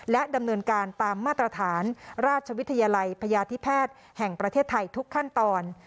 และดำเนินการตามมาตรฐานราชวิทยาลัยพยาธิแพทย์แห่งประเทศไทยทุกขั้นตอน